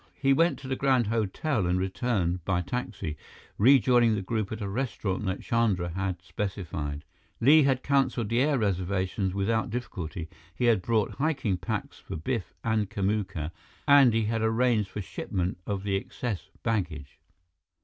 He went to the Grand Hotel and returned by taxi, rejoining the group at a restaurant that Chandra had specified. Li had canceled the air reservations without difficulty; he had brought hiking packs for Biff and Kamuka, and he had arranged for shipment of the excess baggage.